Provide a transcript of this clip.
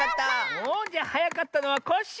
おじゃはやかったのはコッシー！